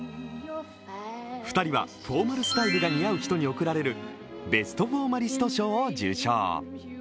２人はフォーマルスタイルが似合う人に贈られるベストフォーマリスト賞を受賞。